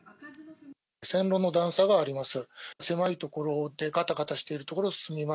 線路の段差があります。